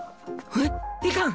えっ？いかん！